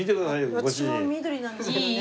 私も緑なんですけどね。